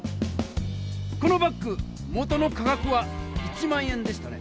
このバッグ元の価格は１００００円でしたね？